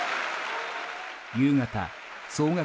夕方総額